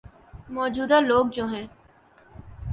موجود ہ لوگ جو ہیں۔